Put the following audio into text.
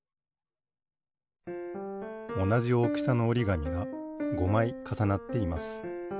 おなじおおきさのおりがみが５まいかさなっています。